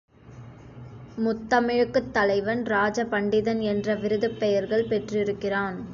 முத்தமிழுக்குத் தலைவன் ராஜ பண்டிதன் என்ற விருதுப் பெயர்கள் பெற்றிருக்கிறான்.